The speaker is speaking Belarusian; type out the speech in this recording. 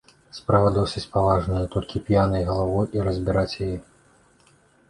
Справа досыць паважная, толькі п'янай галавой і разбіраць яе.